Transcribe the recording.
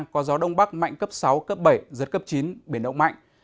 có gió đông bắc mạnh cấp sáu cấp bảy giật cấp chín biển động mạnh